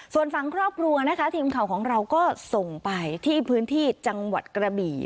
ส่วนฝั่งครอบครัวนะคะทีมข่าวของเราก็ส่งไปที่พื้นที่จังหวัดกระบี่